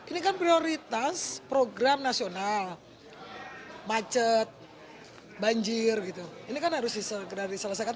ini kan prioritas program nasional macet banjir gitu ini kan harus disegera diselesaikan